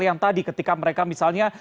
yang tadi ketika mereka misalnya